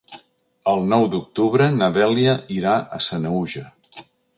El nou d'octubre na Dèlia irà a Sanaüja.